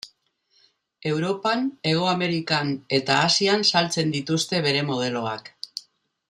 Europan, Hego Amerikan eta Asian saltzen dituzte bere modeloak.